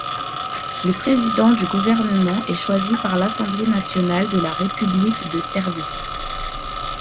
Le président du Gouvernement est choisi par l'Assemblée nationale de la République de Serbie.